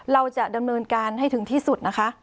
เราจะดำเนินการให้ถึงที่สุดนะคะ